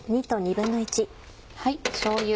しょうゆ。